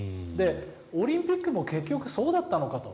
オリンピックも結局そうだったのかと。